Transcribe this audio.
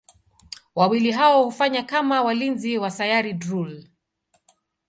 Wawili hao hufanya kama walinzi wa Sayari Drool.